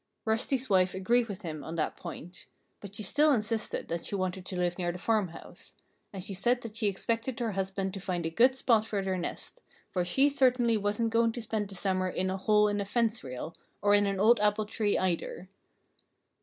Rusty's wife agreed with him on that point. But she still insisted that she wanted to live near the farmhouse; and she said that she expected her husband to find a good spot for their nest, for she certainly wasn't going to spend the summer in a hole in a fence rail, or in an old apple tree, either.